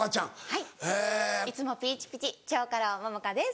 はいいつもピチピチ蝶花楼桃花です。